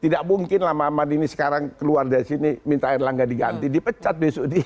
tidak mungkinlah mama madini sekarang keluar dari sini minta erlang gak diganti dipecat besok dia